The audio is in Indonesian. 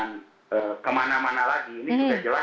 namun untuk gas oklosannya belum ya pak